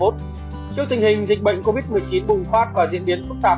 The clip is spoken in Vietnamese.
trước tình hình dịch bệnh covid một mươi chín bùng phát và diễn biến phức tạp